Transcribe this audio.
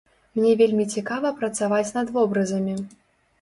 Мне вельмі цікава працаваць над вобразамі.